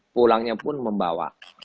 pulangnya pun membawa